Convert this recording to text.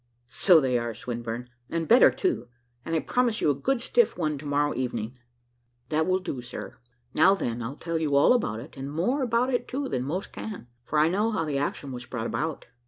"So they are, Swinburne, and better too, and I promise you a good stiff one to morrow evening." "That will do, sir: now then I'll tell you all about it, and more about it too than most can, for I know how the action was brought about."